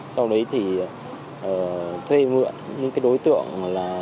sau đấy thì thuê mượn những đối tượng